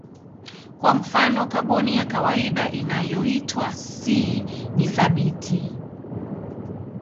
Kwa mfano kaboni ya kawaida inayoitwa C ni thabiti.